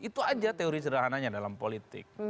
itu aja teori sederhananya dalam politik